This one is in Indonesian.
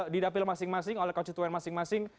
didapil masing masing oleh konstituen masing masing